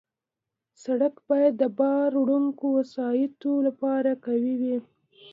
سړک باید د بار وړونکو وسایطو لپاره قوي وي.